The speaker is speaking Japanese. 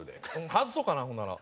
外そうかなほんなら。